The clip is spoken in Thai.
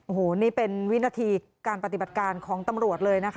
โอ้โหนี่เป็นวินาทีการปฏิบัติการของตำรวจเลยนะคะ